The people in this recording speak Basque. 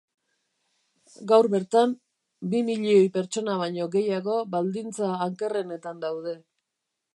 Gaur bertan, bi milioi pertsona baino gehiago baldintza ankerrenetan daude.